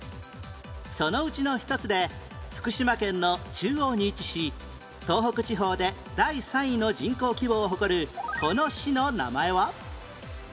そのうちの一つで福島県の中央に位置し東北地方で第３位の人口規模を誇るこの市の名前は？